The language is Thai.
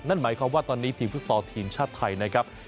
นั่นหมายความว่าตอนนี้ทีมฟุตซอลทีมชาติไทยนะครับ